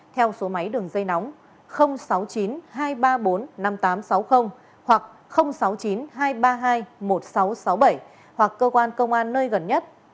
theo số máy đường dây nóng sáu mươi chín hai trăm ba mươi bốn năm nghìn tám trăm sáu mươi hoặc sáu mươi chín hai trăm ba mươi hai một nghìn sáu trăm sáu mươi bảy hoặc cơ quan công an nơi gần nhất